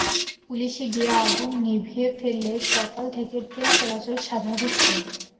Police গিয়ে আগুন নিভিয়ে ফেললে সকাল থেকে ট্রেন চলাচল স্বাভাবিক হয়।